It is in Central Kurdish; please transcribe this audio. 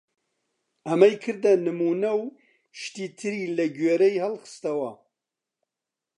ئەمەی کردە نموونە و شتی تری لە گوێرەی هەڵخستەوە!